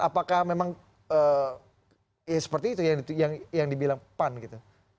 apakah memang ya seperti itu yang dibilang pan gitu